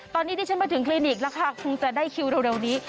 ตอนนี้ที่ฉันมาถึงคลินิกแล้วค่ะคุณก็ได้คิวเร็วเดร